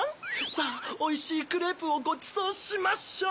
さぁおいしいクレープをごちそうしましょう。